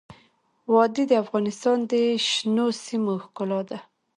وادي د افغانستان د شنو سیمو ښکلا ده.